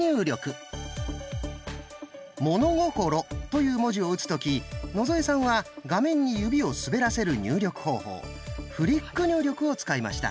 「物心」という文字を打つ時野添さんは画面に指を滑らせる入力方法「フリック入力」を使いました。